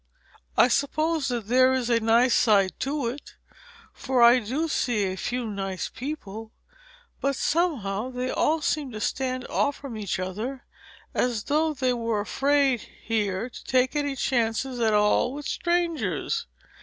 I suppose that there is a nice side to it, for I do see a few nice people; but, somehow, they all seem to stand off from each other as though they were afraid here to take any chances at all with strangers.